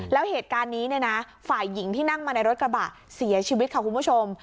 แล้วเหตุการณ์นี้เนี่ยนะฝ่ายหญิงที่นั่งมาในรถกระบะเสียชีวิตค่ะคุณผู้ชม